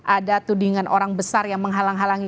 ada tudingan orang besar yang menghalang halangi